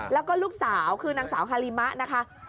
แล้วก็ลูกสาวคือนางสาวฮาริมะนะคะ